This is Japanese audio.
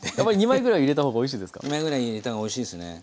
２枚ぐらい入れた方がおいしいですね。